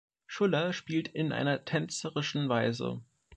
Schuller spielt in einer tänzerischen Weise.